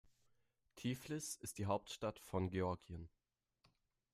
Tiflis ist die Hauptstadt von Georgien.